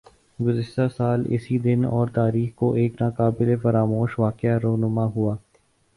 گزشتہ سال اسی دن اور تاریخ کو ایک نا قابل فراموش واقعہ رونما ھوا